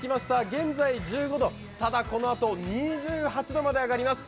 現在１５度、ただ、このあと２８度まで上がります。